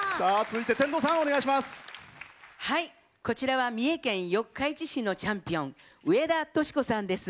こちらは三重県四日市市のチャンピオン上田淑子さんです。